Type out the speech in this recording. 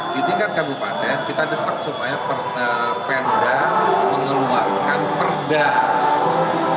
di tingkat kabupaten kita desak supaya pemda mengeluarkan perda